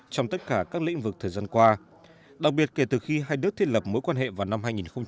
trong tất cả các lĩnh vực thời gian qua đặc biệt kể từ khi hai nước thiết lập mối quan hệ vào năm hai nghìn một mươi